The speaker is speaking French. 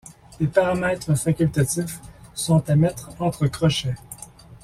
Les paramètres facultatifs sont à mettre entre crochets.